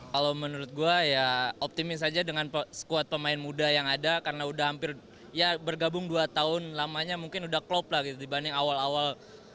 kalau menurut gue ya optimis aja dengan squad pemain muda yang ada karena udah hampir ya bergabung dua tahun lamanya mungkin udah klop lah gitu dibanding awal awal